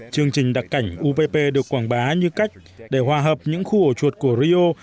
chương trình đặc cảnh upp được quảng bá như cách để hòa hợp những khu ổ chuột của rio với phần nguyên liệu